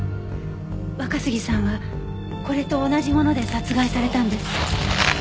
若杉さんはこれと同じもので殺害されたんです。